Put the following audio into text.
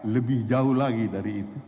lebih jauh lagi dari itu